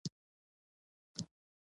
فرګوسن په تیارې کې غیبه شوه او ولاړه.